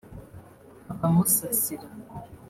abamusasira